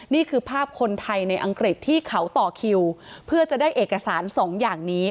นี่คือภาพคนไทยในอังกฤษที่เขาต่อคิวเพื่อจะได้เอกสารสองอย่างนี้